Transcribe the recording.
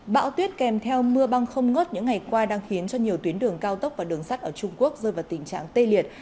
bão tuyết kèm theo mưa băng không ngớt những ngày qua đang khiến cho nhiều tuyến đường cao tốc và đường sắt ở trung quốc rơi vào tình trạng tê liệt